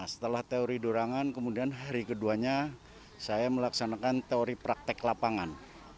setelah teori dorangan kemudian hari keduanya saya melaksanakan teori praktek lapangan